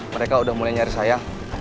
mereka udah mulai nyari saya